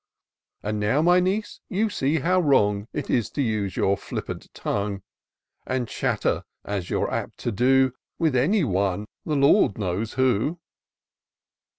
And now, my niece, you see how wrong It is to use your flippant tongue, And chatter, as you're apt to do. With any one — ^the Lord knows who."